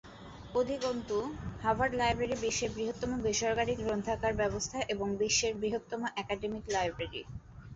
অধিকন্তু, Harvard library বিশ্বের বৃহত্তম বেসরকারী গ্রন্থাগার ব্যবস্থা এবং বিশ্বের বৃহত্তম একাডেমিক লাইব্রেরি।